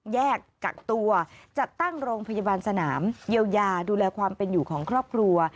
แยกกักตัวจัดตั้งโรงพยาบาลสนามเยียวยาดูแลความเป็นอยู่ของครอบครัว